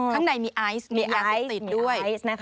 ข้างในมีไอซ์มียาเสพติดด้วย